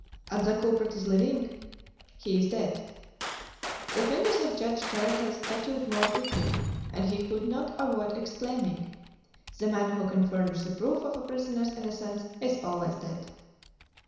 "And the culprit is living?" "He is dead." The fingers of Judge Jarriquez tattooed more quickly, and he could not avoid exclaiming, "The man who can furnish the proof of a prisoner's innocence is always dead."